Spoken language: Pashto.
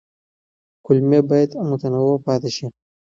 کولمې باید متنوع پاتې شي.